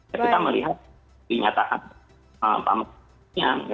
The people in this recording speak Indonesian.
tapi kita melihat dinyatakan pak masudnya